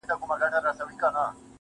زړه مي در سوځي چي ته هر گړی بدحاله یې.